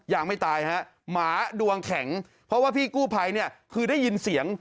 ยังไม่ตายฮะหมาดวงแข็งเพราะว่าพี่กู้ภัยเนี่ยคือได้ยินเสียง